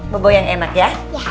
bobo yang enak ya